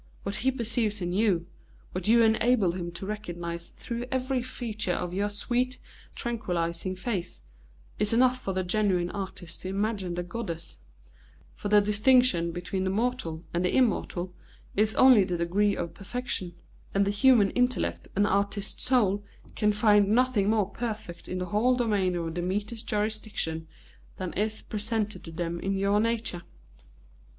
What he perceives in you, what you enable him to recognise through every feature of your sweet, tranquillizing face, is enough for the genuine artist to imagine the goddess; for the distinction between the mortal and the immortal is only the degree of perfection, and the human intellect and artist soul can find nothing more perfect in the whole domain of Demeter's jurisdiction than is presented to them in your nature.